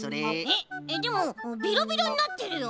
えっえっでもビロビロになってるよ。